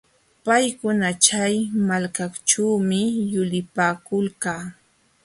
Paykuna chay malkaćhuumi yulipaakulqaa.